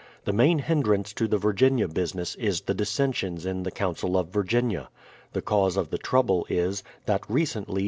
The main hindrance to the Virginia business is the dissensions in the Council of Virginia. The cause of the trouble is, that, recently.